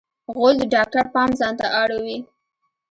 غول د ډاکټر پام ځانته اړوي.